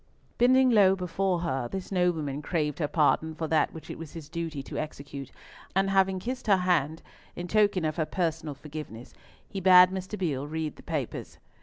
Bending low before her, this nobleman craved her pardon for that which it was his duty to execute; and having kissed her hand, in token of her personal forgiveness, he bade Mr. Beale read the papers.